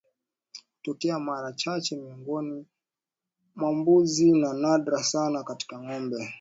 hutokea mara chache miongoni mwa mbuzi na nadra sana katika ngombe